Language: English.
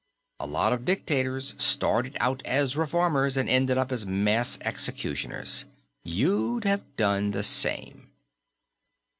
A lot of dictators started out as reformers and ended up as mass executioners; you'd have done the same."